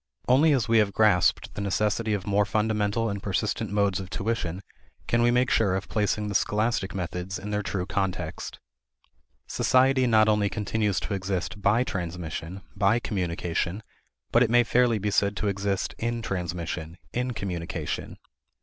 Only as we have grasped the necessity of more fundamental and persistent modes of tuition can we make sure of placing the scholastic methods in their true context. Society not only continues to exist by transmission, by communication, but it may fairly be said to exist in transmission, in communication.